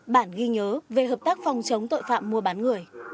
bản ghi nhớ về hợp tác phòng chống tội phạm mua bán người